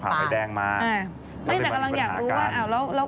แต่กำลังอยากรู้ว่า